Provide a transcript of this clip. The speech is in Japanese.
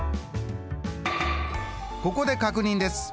ここで確認です。